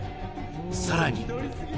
さらに。